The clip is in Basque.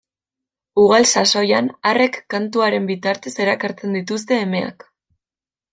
Ugal sasoian, arrek kantuaren bidez erakartzen dituzte emeak.